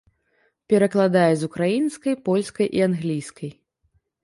Перакладае з украінскай, польскай і англійскай.